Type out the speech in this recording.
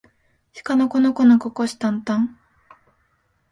しかのこのこのここしたんたん